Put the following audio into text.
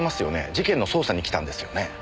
事件の捜査に来たんですよね？